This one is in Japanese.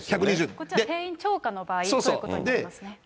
こっちは定員超過の場合ということになりますね。